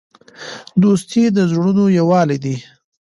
دوستي د زړونو یووالی دی.